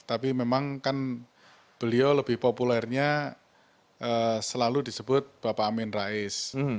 tapi memang kan beliau lebih populernya selalu disebut bapak amin rais